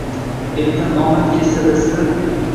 Eldan omad ketsa, dastlab